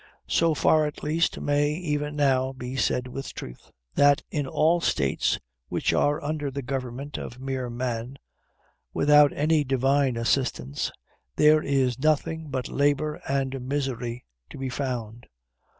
So far, at least, may even now be said with truth, that in all states which are under the government of mere man, without any divine assistance, there is nothing but labor and misery to be found.